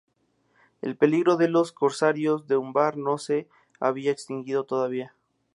El peligro de los corsarios de Umbar no se había extinguido todavía.